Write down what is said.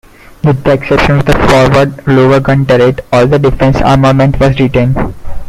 With the exception of the forward lower gun turret, all defensive armament was retained.